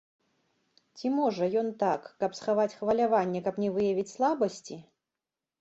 Ці, можа, ён так, каб схаваць хваляванне, каб не выявіць слабасці?